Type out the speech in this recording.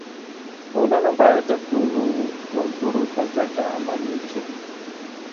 • ټولنه باید د ټولو وګړو په ګټه عمل وکړي.